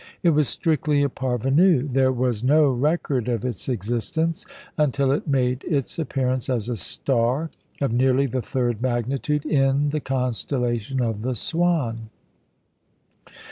It was strictly a parvenu. There was no record of its existence until it made its appearance as a star of nearly the third magnitude, in the constellation of the Swan.